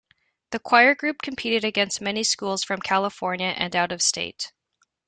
The choir group competed against many schools from California and out of state.